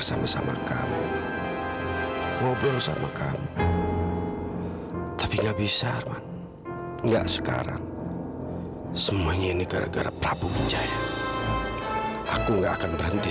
sampai jumpa di video selanjutnya